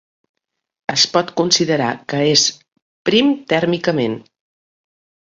Es pot considerar que és "prim tèrmicament".